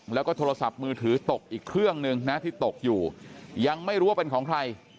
แล้วก็โทรศัพท์มือถือตกอีกเครื่องหนึ่งนะที่ตกอยู่ยังไม่รู้ว่าเป็นของใคร